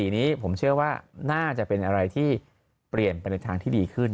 นี้ผมเชื่อว่าน่าจะเป็นอะไรที่เปลี่ยนไปในทางที่ดีขึ้น